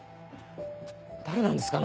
誰なんですか？